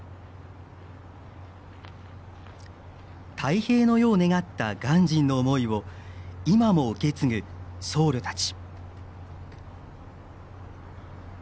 泰平の世を願った鑑真の思いを今も受け継ぐ僧侶たち。